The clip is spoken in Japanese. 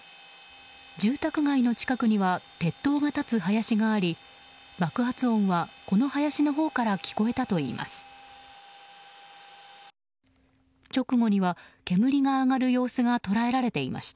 住宅街の近くには鉄塔が立つ林があり爆発音はこの林のほうから聞こえたといいます。